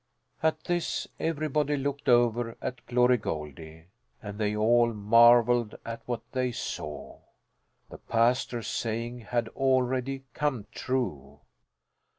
At this everybody looked over at Glory Goldie, and they all marvelled at what they saw. The pastor's saying had already come true.